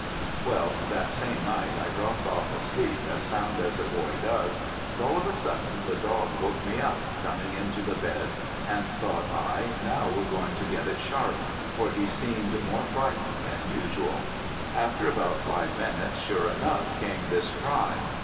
"Well, that same night I dropped off asleep as sound as a boy does, and all of a sudden the dog woke me up, coming into the bed, and thought I, now we're going to get it sharp, for he seemed more frightened than usual. After about five minutes sure enough came this cry.